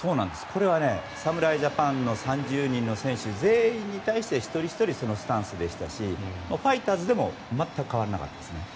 これは侍ジャパンの３０人の選手全員に対して一人ひとりそのスタンスでしたしファイターズでも全く変わらなかったですね。